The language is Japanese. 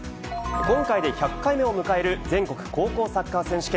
今回で１００回目を迎える全国高校サッカー選手権。